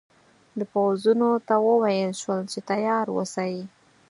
د پوځونو ته وویل شول چې تیار اوسي.